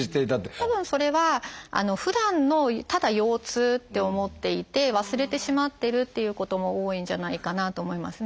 たぶんそれはふだんのただ腰痛って思っていて忘れてしまってるっていうことも多いんじゃないかなと思いますね。